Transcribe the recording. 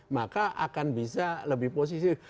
maka akan bisa lebih positif